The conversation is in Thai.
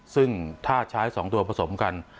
ซึ่งถ้าใช้๒ตัวผสมกัน